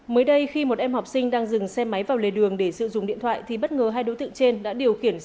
mới đây khi một em học sinh đang dừng xe máy vào lề đường để sử dụng điện thoại thì bất ngờ hai đối tượng trên đã điều khiển xe máy